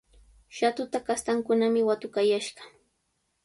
Shatuta kastankunami watukayashqa.